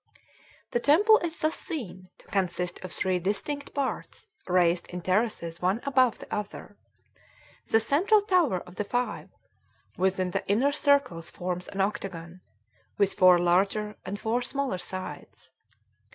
The temple is thus seen to consist of three distinct parts, raised in terraces one above the other. The central tower of the five within the inner circle forms an octagon, with four larger and four smaller sides.